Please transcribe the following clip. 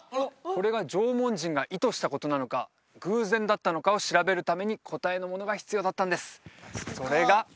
これが縄文人が意図したことなのか偶然だったのかを調べるために答えのものが必要だったんですそれが